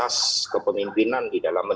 mas hasto sudah diusung sebagai capres